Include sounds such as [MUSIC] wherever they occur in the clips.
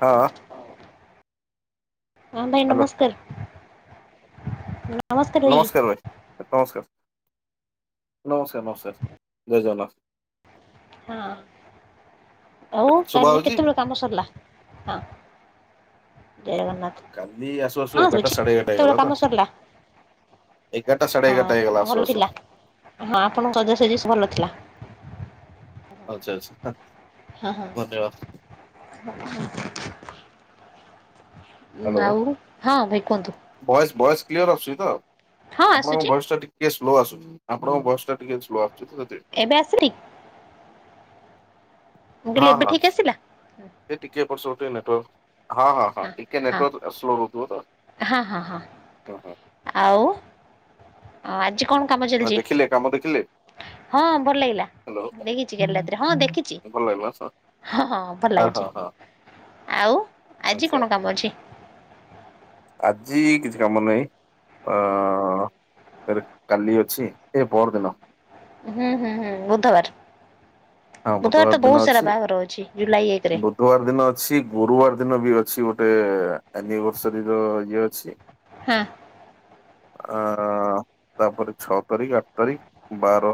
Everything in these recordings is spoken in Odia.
ହଁ। ହଁ ଭାଇ ହ୍ୟାଲୋ ନମସ୍କାର। ନମସ୍କାର ଭାଇ ନମସ୍କାର। ନମସ୍କାର ନମସ୍କାର ଜୟ ଜଗନ୍ନାଥ। ହଁ। ହଉ ଶୁଭା କାଲି ହଉଛି? କେତେବେଳେ କାମ ସରିଲା ହଁ। ଜୟ ଜଗନ୍ନାଥ କାଲି ଆସୁ ଆସୁ ହଁ ଏଗାରଟା ରହୁଛି ସାଢେ ଏଗାରଟା କେତେବେଳେ ହେଇଗଲା ତ କାମ ସରିଲା? ଏଗାରଟା ସାଢେ ହଁ ଏଗାରଟା ହେଇଗଲା ଆସୁ ଭଲ ଆସୁ। ଥିଲା ହଁ ଆପଣଙ୍କ ସଜା ସଜି ସେ ଭଲ ଥିଲା। ଆଚ୍ଛା ଆଚ୍ଛା ହଁ ହଁ ଉଁ, ଧନ୍ୟବାଦ। [UNINTELLIGIBLE] ହ୍ୟାଲୋ ଆଉ ହଁ ଭାଇ କୁହନ୍ତୁ। ଭଏସ୍ ଭଏସ୍ କ୍ଲିୟର ଆସୁଛି ତ ହଁ ଆପଣଙ୍କ ଆସୁଛି ବଏସ ଟା ଟିକେ ସ୍ଲୋ ଆସୁଛିି ଆପଣଙ୍କ ବଏସ୍ ଟା ଟିକେ ସ୍ଲୋ ଆସୁଛି। [UNINTELLIGIBLE] ଏବେ ଆସିଲି ମୁଁ ହଁ କହିଲି ଏବେ ହଁ ଠିକ୍ ଆସିଲା ଏ ଟିକେ ଏପଟ ସେପଟ ଟିକେ ନେଟୱର୍କ ହଁ ହଁ ହଁ ଟିକେ ନେଟୱର୍କ ସ୍ଲୋ ରହୁଥିବ ତ ହଁ ହଁ ହଁ ହଁ ହଁ। ହଁ ଆଜି କଣ କାମ ହଁ ଚାଲିଛି ଦେଖିଲେ କାମ ଦେଖିଲେ? ହଁ ଭଲ ଲାଗିଲା ହ୍ୟାଲୋ। ଦେଖିଛି କାଲି ରାତିରେ ହଁ ଦେଖିଛି। ଭଲ ଲାଗିଲା ହଁ ଭଲ ହଁ ଲାଗୁଛି। ହଁ ଆଉ ଆଜି ଆଚ୍ଛା କଣ କାମ ଅଛି? ଆଜି କିଛି କାମ ନାହିଁ ଅ କାଲି ଅଛି ଏ ପର ଦିନ ହୁଁ ହୁଁ ହୁଁ ବୁଧବାର। ହଁ ବୁଧବାର ତ ଦିନ ବହୁତ ସାରା ଅଛି। ବାହାଘର ଅଛି ଜୁଲାଇ ଏକରେ। ବୁଧବାର ଦିନ ଅଛି ଗୁରୁବାର ଦିନ ବି ଅଛି ଗୋ ଗୋଟେ ଆନିଭର୍ସରୀ ର ଇଏ ଅଛି। ହଁ। ଆ ତାପରେ ଛଅ ତାରିଖ ଆଠ ତାରିଖ ବାର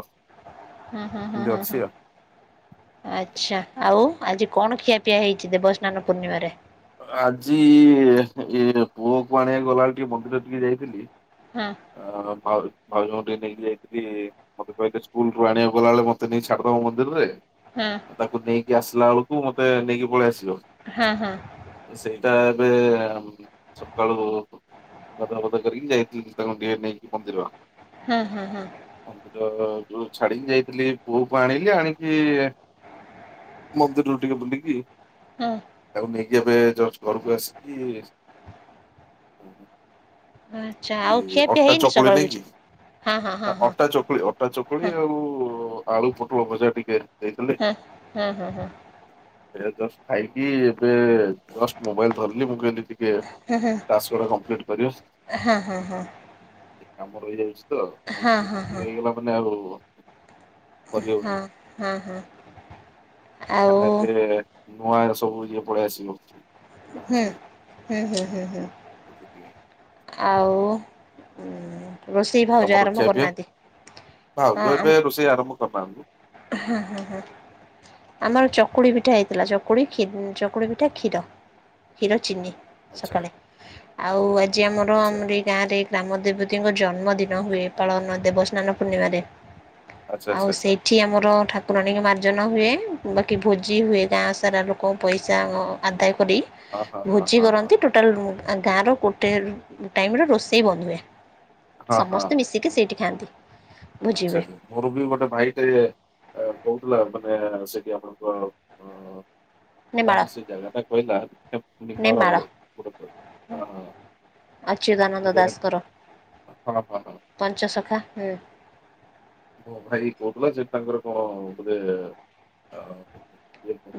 ହୁଁ ହୁଁ ହୁଁ ଏମିତି ହୁଁ ଅଛି ହୁଁ। ଆଉ। ଆଚ୍ଛା ଆଉ ଆଜି କଣ ଖିଆପିଆ ହେଇଚି ଦେବସ୍ନାନ ପୂର୍ଣ୍ଣିମାରେ? ଆଜି ଇ ପୁଅକୁ ଆଣିବା ଗଲାବେଳେ ଟିକେ ମନ୍ଦିର ଟିକେ ଯାଇଥିଲି। ହଁ ଆ ଭାଉ ଭାଉଜଙ୍କୁ ନେଇକି ଯାଇଥିଲି ମତେ କହିଲେ ସ୍କୁଲ ରୁ ଆଣିବାକୁ ଗଲାବେଳେ ମତେ ନେଇ ଛାଡିଦବ ମନ୍ଦିରି ରେ ହଁ ଆଉ ତାକୁ ନେଇକି ଆସିଲା ବେଳକୁ ମତେ ନେଇକି ପଳେଇ ଆସିବ। ହଁ ହଁ। ସେଇଟା ଏବେ ସକାଳୁ ଗାଧୁଆ ଫାଦୁଆ କରିକି ଯାଇଥିଲି ତାଙ୍କୁ ଟିକେ ନେଇକି ମନ୍ଦିର। ହୁଁ ହୁଁ ହୁଁ। ତ ଯୋଉ ଛାଡିକି ଯାଇଥିଲି ପୁଅକୁ ଆଣିଲି ଆଣିକି ମନ୍ଦିରରୁ ଟିକେ ବୁଲିକି ହୁଁ। ତାକୁ ନେଇକି ଏବେ ଜଷ୍ଟ ଘରକୁ ଆସିକି ଆଚ୍ଛା ଏ ଆଉ ଖିଆ ପିଆ ଅଟା ହେଇନି ଚକୁଳି ସକାଳୁ କିଛି? ନୁହେଁକି ହଁ ହଁ ହଁ ହଁ ଅଟା ଚକୁଳି ଅଟା ଚକୁଳି ହଁ ହଁ। ଆଉ ଆଳୁ ପୋଟଳ ଭଜା ଟିକେ ହୁଁ ହୁଁ ହୁଁ ହୁଁ। ଏବେ ଜଷ୍ଟ ଖାଇକି ଏବେ ଜଷ୍ଟ ମୋବାଇଲ ଧରିଲି ମୁଁ କହିଲି ଟିକେ ହଁ ଟାସ୍କ ଗୁରା କମ୍ପ୍ଲଲିଟି କରିବା। ହଁ ହଁ ହଁ। କାମ ରହିଯାଉଚି ତ ଆଉ ଟିକେ ହଁ ବିଜି ହଁ। ରହିଗଲା ମାନେ ଆଉ କରି ହବନି ହଁ ହଁ ଆଉ କାହିଁକିନା ଏବେ ନୂଆ ସବୁ ଇଏ ପଳେଇ ଆସିବୁ। ହୁଁ ହୁଁ ହୁଁ ହୁଁ ହୁଁ। ଆଉ ଉଁ ରୋଷେଇ ଭାଉଜ ତମର ଆରମ୍ଭ ଖିଆପିଆ କରିନାହାନ୍ତି? ଭାଉଜ ଏବେ ରୋଷେଇ ଆରମ୍ଭ କରିନାହାନ୍ତି। ହୁଁ ହୁଁ ହୁଁ। ଆମର ଚକୁଳି ପିଠା ହେଇଥିଲା ଚକୁଳି ଖୀ ଚକୁଳି ପିଠା କ୍ଷୀର କ୍ଷୀର ଚିନି। ଆଚ୍ଛା ସକାଳେ ଆଉ ଆଜି ଆମର ଆଚ୍ଛା ଆମରି ଗାଁରେ ଗ୍ରାମ ଦେବତୀଙ୍କ ଜନ୍ମଦିନ ହୁଏ ପାଳନ ଦେବସ୍ନାନ ପୂର୍ଣ୍ଣିମାରେ। ଆଚ୍ଛା ଆଉ ଆଚ୍ଛା ଆଚ୍ଛା ସେଇଠି ଆମର ଠାକୁରାଣୀଙ୍କ ମାର୍ଜନା ହୁଏ। ବାକି ଭୋଜି ହୁଏ ଗାଁ ସାରା ଲୋକ ପଇସା ଆଦାୟ କରି ହଁ ହଁ ହଁ ଭୋଜି ହଁ ହଁ କରନ୍ତି ଟୋଟାଲ ଗାଁର ଗୋଟେ ଟାଇମ୍ ର ରୋଷେଇ ବନ୍ଦ ହୁଏ ହଁ ହଁ। ସମସ୍ତେ ମିଶିକି ସେଇଠି ଖାଆନ୍ତି। ଭୋଜି ଆଚ୍ଛା ହୁଏ ଆଚ୍ଛା ମୋର ବି ଗୋଟେ ଭାଇଟେ ଏ କୋହୁ ହେଲା ମାନେ ସେଠି ଆପଣଙ୍କ ନେମାଳ କଣ ସେ ଜାଗାଟା କହିଲା ନେମାଳ [UNINTELLIGIBLE] ସେ ଅଚ୍ୟୁଦାନନ୍ଦ ଜଣେ ଦାସଙ୍କର ହଁ ହଁ ହଁ ପଞ୍ଚସଖା ହୁଁ। ମୋ ଭାଇ କୋହୁଥିଲା ଯେ ତାଙ୍କର କଣ ବୋଧେ ଆଂ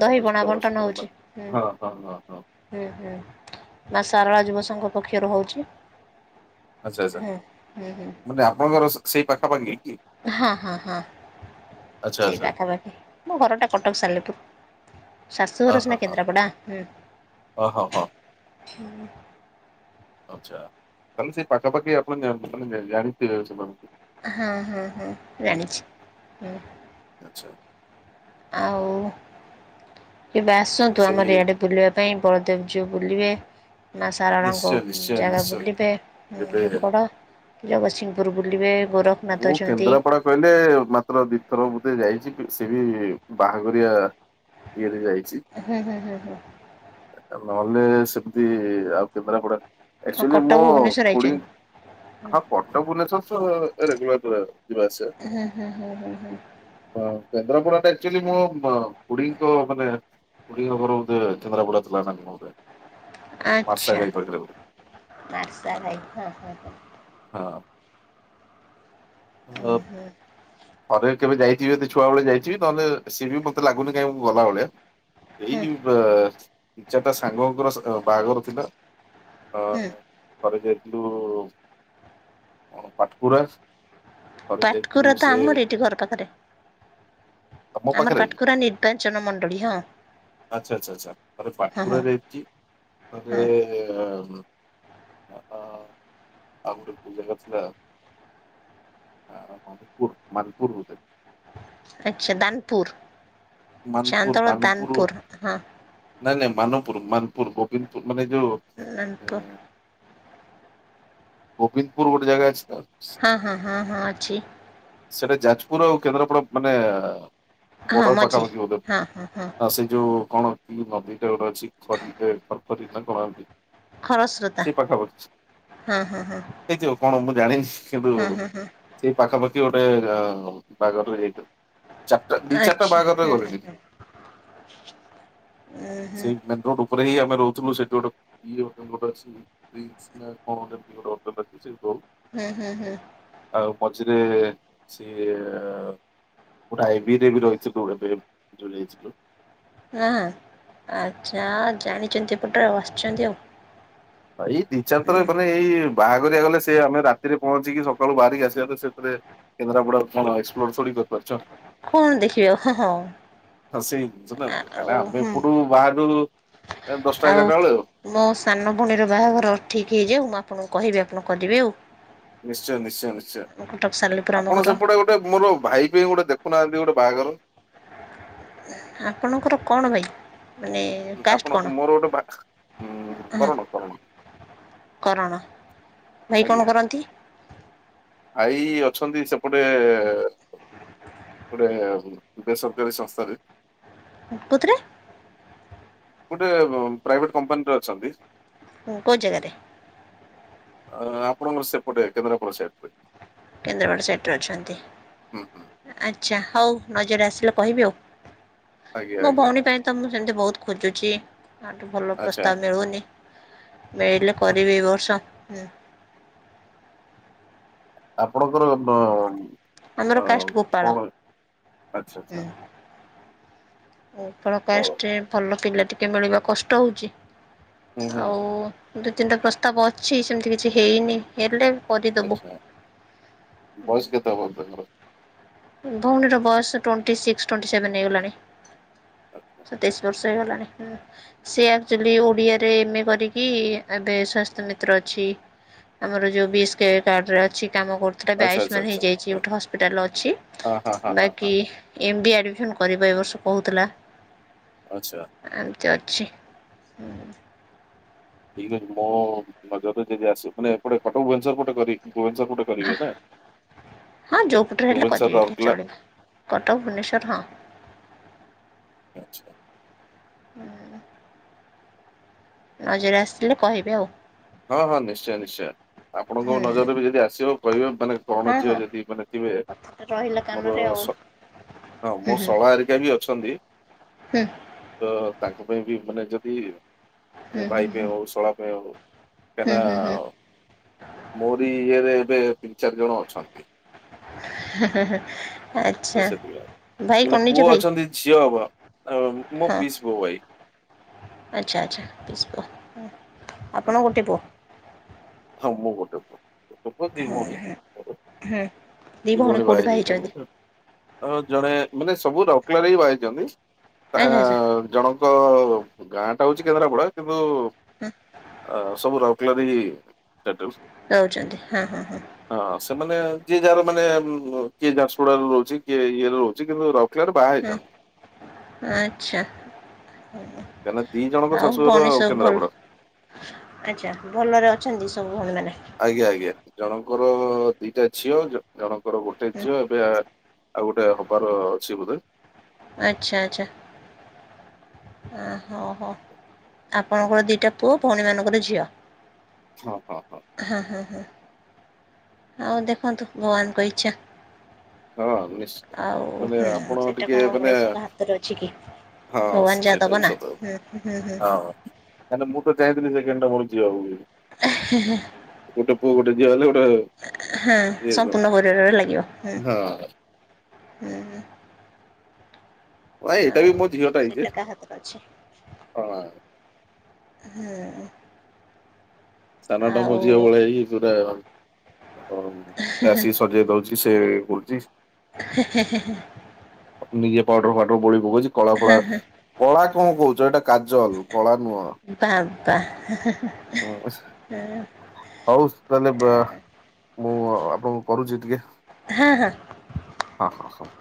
ଦହି ପଣା ବଣ୍ଟନ ହୋଉଚି ହୁଁ। ହଁ ହଁ ହଁ ହୁଁ ହୁଁ ମା ସାରଳା ଯୁବ ସଂଘ ପକ୍ଷରୁ ହୋଉଚି। ଆଚ୍ଛା ଆଚ୍ଛା ମାନେ ଆପଣଙ୍କର ସେ-ସେଇ ପାଖାପାଖି? କି ହଁ, ହଁ, ହଁ, ଆଚ୍ଛା ସେଇ ଆଚ୍ଛା ପାଖାପାଖି ମୋ ଘରଟା କଟକ ସାଲେପୁର। ହଁ ଶାଶୁଘର ସିନା ହଁ ହଁ କେନ୍ଦ୍ରାପଡ଼ା ହୁଁ। ହଁ ହଁ ହଁ ଆଚ୍ଛା, ତାହେଲେ ସେ ପାଖାପାଖି ଆପଣ ଜାଣି ମାନେ ଜାଣିଥିବେ ସେମାନଙ୍କୁ। ହଁ, ହଁ, ହଁ, ଜାଣିଛି । ଆଚ୍ଛା ଆଉ ଏବେ ତ ଆସନ୍ତୁ ସେଇ ଆମର ଇଆଡେ ବୁଲିବା ପାଇଁ ବଳଦେବ ଜୀଉ। ବୁଲିବେ। ମା ଶାରଳାଙ୍କ ନିଶ୍ଚୟ, ନିଶ୍ଚୟ, ଜାଗା ନିଶ୍ଚୟ, ବୁଲିବେ କେବେ ଝଙ୍କଡ଼ ଜଗତସିଂହପୁର ବୁଲିବେ ଗୋରଖନାଥ ମୁଁ ଅଛନ୍ତି କେନ୍ଦ୍ରାପଡା କହିଲେ ମାତ୍ର ଦିଥର ବୋଧେ ଯାଇଛି କିଛି ବି ବାହାଘରିଆ ଇଏରେ ଯାଇ ହଁ ହଁ ହଁ ହଁ। ନା ସେମିତି ଆଉ କେନ୍ଦ୍ରାପଡା ଆଉ ଆକଚୁଆଲି କଟକ ମୋ ଭୁବନେଶ୍ୱର ଖୁଡୀ ଆଇଛନ୍ତି ହଁ, କଟକ ଭୁବନେଶ୍ଵର ତ ରେଗୁଲାର ଯିବା ଯିବା ଆସିବା। ହୁଁ ହୁଁ ହୁଁ ହୁଁ ହୁଁ ହ କେନ୍ଦ୍ରାପଡାଟା ଆକଚୁଆଲି ମୋ ମୋ ଖୁଡୀଙ୍କ ମାନେ ଖୁଡିଙ୍କ ଘର ବୋଧେ କେନ୍ଦ୍ରାପଡ଼ା ଥିଲା ନା କଣ ବୋଧେ? ଆଚ୍ଛା। ମାର୍ଶାଘାଇ ପାଖରେ ବୋଧେ ମାତା ମୟୀ ଓହୋ। ହଁ। ଅ ଓ ହୋ। ଥରେ କେବେ ଯାଇଚି ଯଦି ଛୁଆବେଳେ ଯାଇଥିବି ନହେଲେ ସିଏ ବି ମତେ ଲାଗୁନି କାହିଁ ମୁଁ ଗଲା ଭଳିଆ। ହୁଁ ଏଇ ବ ଦି ଚାଟା ସାଙ୍ଗଙ୍କର ଅ ବାହାଘର ଥିଲା। ହୁଁ ହଁ, ଥରେ ଯାଇ ଥିଲୁ ଅ ପାଟକୁରାସ ଥରେ ଯାଇଥିଲୁ ସେ ଏଇଟି ଘର ପାଖରେ ତମ ଆମର ପାଖରେ କାଠକୁରା ନିର୍ବାଚନ ମଣ୍ଡଳୀ ହ୍ନା। ଆଚ୍ଛା, ଆଚ୍ଛା, ଆଚ୍ଛା ଥରେ ପାଟକୁରା ଯାଇଛି, ହଁ ଥରେ ମ୍ ଆଉ ଗୋଟେ [UNINTELLIGIBLE] ଆ ମଣିପୁର, ମାନପୁର ବୋଧେ। ଆଚ୍ଛା ଦାନପୁର। ମାନପୁର ମାନପୁର ଚାନ୍ଦଳଦାନପୁର ହଁ। ନାଇଁ ନାଇଁ ମାନପୁର, ମାନପୁର, ଗୋବିନ୍ଦପୁର, ମାନେ ଯୋଉ ଉ ଦାନପୁର ଗୋବିନ୍ଦପୁର ଗୋଟେ ଜାଗା ଅଛି? ତ ହଁ, ହଁ, ହଁ, ହଁ, ଅଛି। ସେଟା ଯାଜପୁର ଆଉ କେନ୍ଦ୍ରାପଡ଼ା ମାନେ ହଁ ବର୍ଡର। ମଝି ପାଖାପାଖି ବୋଧେ, ହଁ ହଁ ହଁ ଆଉ ସେ ଯୋଉ କଣ କି ନଦୀ ଟା ଗୋଟେ ଅଛି ଖରି ଖରଖରି ନା କଣ ଏମିତି? ଖରସ୍ରୋତା ସେ ପାଖାପାଖି ହଁ ହଁ ହଁ ହେଇଥିବ। କଣ ମୁଁ ଜାଣିିନି କିନ୍ତୁ ହଁ ହଁ ହଁ ସେ ପାଖାପାଖି ଗୋଟେ ଅ ବାହାଘର ରେ ଯାଇଥିବ ଚାରିଟା ଦି ଚାରଟା ଦଇ ଚାର ଆଚ୍ଛା ବାହାଘରରେ ହଁ ହୁଁ ଗଲିଣି। ହୁଁ ହୁଁ ସେଇ ମେନ ରୋଡ ରୁ ପରେ ହିଁ ଆମେ ରହୁଥିଲୁ ସେଠି ଗୋଟେ ଇଏ ହୋଟଲ ଗୋଟେ ଅଛି ପ୍ରିନ୍ସ ନା କଣ ଗୋଟେ କି ଗୋଟେ ହଟେଲ ଟେ ଅଛି ସେଇଠି ରହୁ। ହେଁ ହେଁ ହେଁ। ଆଉ ମଝିରେ ସିଏ ଗୋଟେ ଆଇବିଡି ରେ ବି ରହି ଥିବ ବୋଧେ [UNINTELLIGIBLE] ଆ ଆଚ୍ଛା ଜାଣିଛନ୍ତି ଏପଟ ଆଉ ଆସିଛନ୍ତି ଆଉ। ଏଇ ଦି ହୁଁ ଚାରଥରେ ମାନେ ଏଇ ବାହାଘର ଗଲେ ସେ ଆମେ ରାତିରେ ପହଞ୍ଚିକି ସକାଳୁ ବାହାରିକି ଆସିବା ତ ସେଥିରେ କେନ୍ଦ୍ରାପଡା କଣ ଏକ୍ସପ୍ଲୋର ଥୋଡି କରିପାରୁଛୁ। କଣ ଦେଖିବ ହା ହା। ହ ସେଇ ଜିନିଷ ନା କାହିଁକି ନା ଆମେ ଏପଟୁ ବାହାରିନୁ। ଆଉ ମୋ ସାନ ଭଉଣୀର ବାହାଘର ଠିକ୍ ହେଇଯାଉ ମୁଁ ଆପଣଙ୍କୁ କହିବି ଆପଣ କରିବେ ଆଉ। ନିଶ୍ଚୟ, ନିଶ୍ଚୟ, ନିଶ୍ଚୟ, କଟକ ସାଲେପୁର ଆମ ଆପଣ ଘର ସେପଟେ ଗୋଟେ ମୋର ଭାଇ ପାଇଁ ଗୋଟେ ଦେଖୁନାହାନ୍ତି, ଗୋଟେ ବାହାଘର। ଆପଣଙ୍କର କଣ ଭାଇ? ମାନେ ଉ କାଷ୍ଟ ଆପଣ କଣ? ମୋର ଗୋଟେ ଭା ଉ ହଁ କରଣ କରଣ କରଣ ଭାଇ କଣ କରନ୍ତି? ଆଈ ଅଛନ୍ତି ସେପଟେ ଗୋଟେ ବେସରକାରୀ ସଂସ୍ଥାରେ କୁତ୍ରେ ଗୋଟେ ଅ ପ୍ରାଭେଟ କପାନୀରେ ଅଛନ୍ତି । ହଁ କେଓ ଜାଗାରେ ଅ ଆପଣଙ୍କର ସେପଟେ କେନ୍ଦ୍ରାପଡା ସାଇଟରେ କେନ୍ଦ୍ରାପଡ଼ା ସାଇଟ୍ ରେ ଅଛନ୍ତି ହୁଁ ହୁଁ ଆଚ୍ଛା ହଉ ନଜରରେ ଆସିଲେ କହିବି ଆଉ ଆଜ୍ଞା ମୋ ଆଜ୍ଞା ଭଉଣୀ ପାଇଁ ତ ମୁଁ ସେମିତି ବହୁତ ଖୋଜୁଛି ତାଠୁ ଭଲ ଆଚ୍ଛା ପ୍ରସ୍ତାବ ମିଳୁନି ମିଳିଲେ କରିବି ଏ ବର୍ଷ ହୁଁ ଆପଣଙ୍କର ବ ଆମର ଅ କାଷ୍ଟ ଗୋପାଳ। କଣ ଆଛା ଆଛା ଆପଣ କାଷ୍ଟରେ ଭଲ ପିଲା ଟିକେ ମିଳିବା କଷ୍ଟ ହେଉଛି ହୁଁ ହୁଁ ଆଉ ଦୁଇ ତିନିଟା ପ୍ରସ୍ତାବ ଅଛି ସେମିତି କିଛି ହେଇନି ହେଲେ କରିଦେବୁ। ଆଚ୍ଛା ବଏସ କେତେ ହେବ ବଲନ୍ତ ମୋର ଭଉଣୀର ବୟସ ଟ୍ୱେଣ୍ଟି ସିକ୍ସ ଟ୍ବେଣ୍ଟି ସେଭେନ ହେଇଗଲାଣି ଆଚ୍ଛା ସତେଇଶ ବର୍ଷ ହୋଇଗଲାଣି ସେ ଆକ୍ଚୁଲି ଓଡିଆରେ ଏମ ଏ କରିକି ଏବେ ସ୍ୱସ୍ଥ୍ୟ ମିତ୍ର ଅଛି ବି ଆମର ଯୋଉ ବିସ୍ କେ କାର୍ଡରେ ଅଛି । କାମ କରୁଥିଲା ଆଚ୍ଛା ଆଚ୍ଛା ଆୟୁଷ୍ମାନ ଆଚ୍ଛା ହେଇଯାଇଛି ଗୋଟେ ହଁ ହସ୍ପିଟାଲ ଅଛି ହଁ ହଁ ହଁ ହଁ ବାକି ଏମ୍ ବି ଆଡିମିଶନ କରିବା ଏ ବର୍ଷ କହୁଥିଲା । ଆଚ୍ଛା । ଚାଛି ଠିକ ଅଛି ମୋ ନଜରରେ ଯଦି ଆସେ ମାନେ ଏପଟେ କଟକ ଭୁବନେଶ୍ୱର ପଟେ କରି ଭୁବନେଶର ଗୋଟେ କରିବେ ନା ହଁ ଯୋପଟରେ ହେଲେ ଭୁବନେଶ୍ୱର କରିିବି ରାଉରକେଲା ଚଳିବ କଟକ ଭୁବନେଶର ହଁ ଆଚ୍ଛା ହୁଁ ନଜର ଆସିଥିଲେ କହିବେ ଆଉ ହଁ ହଁ ନିଶ୍ଚୟ ନିଶ୍ଚୟ ଆପଣଙ୍କ ହୁଁ ନଜରରେ ବି ଯଦି ଆସିବ କହିବେ ମାନେ କଣ ହଁ ଝିଅ ହଁ। ଯଦି ମାନେ ଥିବେ କଥାଟା ରହିଲା ମୋର କାନରେ ଆଉ ଶ ହଁ ହୁଁ ମୋ ହୁଁ। ଶଳା ଆରିକା ବି ଅଛନ୍ତି ହୁଁ । ତ ତାଙ୍କ ପାଇଁ ବି ମାନେ ଜ ବି ହୁଁ ମାନ ହୁଁ ବାଇକ ହୁଁ ହଉ ସଳକ ହଉ ହୁଁ କାହିଁନା ହୁଁ ହୁଁ ମୋରି ଇଏରେ ଏବେ ତିନି ଚାରି ଜଣ ଅଛନ୍ତି ହେଁ ହେଁ ତ ଆଚ୍ଛା ସେଥିପାଇଁ । ମାନେ ପୁଅ ଅଛନ୍ତି ଝିଅ ହବ ଅ ମୋ ହଁ ପିସିପୁଅ ଭାଇ ଆଚ୍ଛା ଆଚ୍ଛା ପିସି ପୁଅ ହଁ ଆପଣ ଗୋଟେ ପୁଅ? ହଁ ମୁଁ ଗୋଟେ ପୁଅ ଗୋଟେ ପୁଅ ଦି ହଁ ଭଉଣୀ ହଁ ହଁ ଦି ଭଉଣୀ ବାହାହେଇଯାଇଛନ୍ତି ଆଉ ଜଣେ ମାନେ ସବୁ ରକଲ ହି ବାହାଇଛନ୍ତି ତା ଆଚ୍ଛା ଆ ଆଚ୍ଛା ଜଣଙ୍କ ଗାଁ ଟା ହଉଛି କେନ୍ଦ୍ରାପଡା କିନ୍ତୁ ଆ ସବୁ ରକଲାରି ଚାଟାକୁ ରହୁଛନ୍ତି ହଁ ହଁ ହଁ ହଁ ସେମାନେ ଯିଏ ଯାହାର ମାନେ ଉ କିଏ ଝାରସୁଡା ରହୁଛି କିଏ ଇଏରେ ରହୁଛି କିନ୍ତୁ ରାଉରକେଲାରେ ବାହା ହେଇଛନ୍ତି ହଁ ଆଚ୍ଛା କାହିଁକିନା ଦି ଜଣଙ୍କ ଆଉ ଶାଶୁଘର ଭଉଣୀ ସବୁ କେନ୍ଦ୍ରାପଡା ଭଲ ଆଚ୍ଛା ଭଲରେ ଅଛନ୍ତି ସବୁ ଭଉଣୀ ଆଜ୍ଞା ଆଜ୍ଞା ଜଣଙ୍କର ଦିଟା ଝିଅ ଜ ଜଣଙ୍କର ଗୋଟେ ହୁଁ ଝିଅ ଏବେ ଆଉ ଗୋଟେ ହବାର ଅଛି ବୋଧେ। ଆଚ୍ଛା ଆଚ୍ଛା। ହଁ ହଁ ଆପଣଙ୍କର ଦିଇଟା ପୁଅ ଭଉଣୀମାନଙ୍କର ଝିଅ। ହଁ ହଁ ହଁ ହଁ ହଁ। ଆଉ ଦେଖନ୍ତୁ ଭଗବାନଙ୍କ ଇଚ୍ଛା। ହଁ ହଁ ନିଶ୍ଚୟ ଆଉ ମାନେ ହଁ ଆପଣ ସେଇଟା ଟିକେ କଣ ମାନେ ମଣିଷଙ୍କ ହାତରେ ଅଛି କି? ହଁ। [UNINTELLIGIBLE] ଭଗବାନ ଯାହା ଦବ ନା ସତ। ହୁଁ ହୁଁ ହୁଁ ହଁ କାହିଁକିନା ମୁଁ ତ ଚାହିଁଥିଲି ସେକେଣ୍ଡଟା ମୋର ଝିଅ ହବ ବୋଲି। ଗୋଟେ ପୁଅ ଗୋଟେ ଝିଅ ହେଲେ ଗୋଟେ ହଁ ଇଏ ତ। ସମ୍ପୂର୍ଣ୍ଣ ପରିବାର ଭଳି ଲାଗିବ। ହଁ। ହୁଁ ହୁଁ। ଏଇଟା ଆଉ ବି ମୋ ଝିଅଟା ହେଇଚି ସେଇଟା ଯେ। କାହା ହାତରେ ଅଛି ହଁ। ହୁଁ। ସାନଟା ମୋ ଝିଅ ଆଉ ଭଳିଆ ହେଇ ପୁରା ମୋତେ ଆସିକି ସଜେଇ ଦଉଚି। ସେ ଇଏ କରୁଚି। ହେ ହେ ହେ। ନିଜେ ପାଉଡର ପାଉଡର ବୋଳି କହୁଚି କଳା ଫଳା କଳା କଣ କହୁଛ ଏଇଟା କାଜଲ। କଳା ନୁହଁ। ହୁଁ। [INAUDIBLE] ହଉ ତାହେଲେ ବ ମୁଁ ଆପଣଙ୍କୁ କରୁଚି ଟିକେ। ହଁ ହଁ ହଁ।